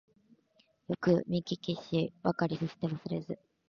よくみききしわかりそしてわすれず